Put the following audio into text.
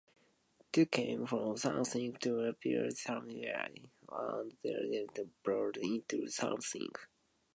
To come from something, to appear somewhere and then to develop into something.